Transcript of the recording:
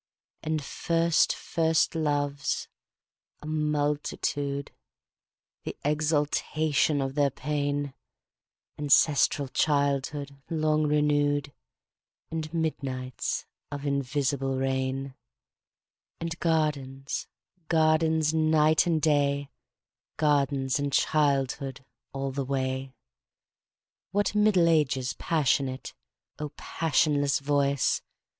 And first first loves, a multitude, The exaltation of their pain; Ancestral childhood long renewed; And midnights of invisible rain; And gardens, gardens, night and day, Gardens and childhood all the way. What Middle Ages passionate,O passionless voice!